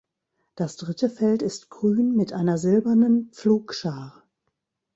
Das dritte Feld ist grün mit einer silbernen Pflugschar.